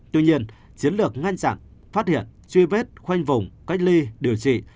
tuy nhiên chiến lược ngăn chặn phát hiện truy vết khoanh vùng cách ly điều trị